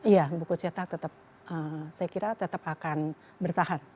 iya buku cetak saya kira tetap akan bertahan